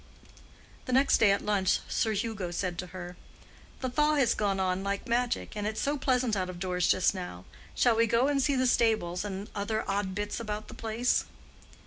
The next day at lunch Sir Hugo said to her, "The thaw has gone on like magic, and it's so pleasant out of doors just now—shall we go and see the stables and the other odd bits about the place?"